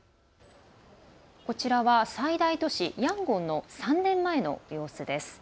こちらは、最大都市ヤンゴンの３年前の様子です。